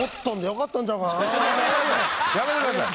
やめてください。